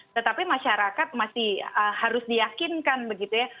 tetapi masyarakat masih harus diyakinkan begitu ya